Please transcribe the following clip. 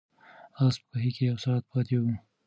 آس په کوهي کې یو ساعت پاتې و.